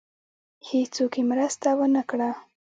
هېڅوک یې مرسته ونه کړه.